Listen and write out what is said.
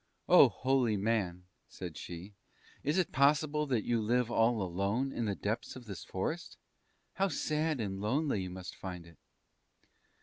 "Oh, Holy Man," said she, "is it possible that you live all alone in the depths of this forest? How sad and lonely you must find it!"